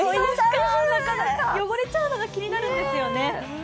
汚れちゃうのが気になるんですよね。